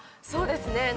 そうですね。